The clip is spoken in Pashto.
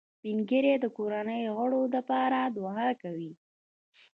سپین ږیری د کورنۍ د غړو لپاره دعا کوي